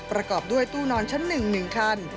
ประกอบด้วยตู้นอนชั้น๑๑คัน